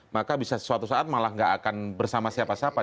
maka bisa suatu saat malah gak akan bersama siapa siapa